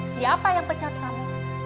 siapa yang pecat kamu